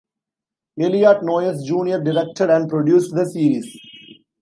Eliot Noyes Junior directed and produced the series.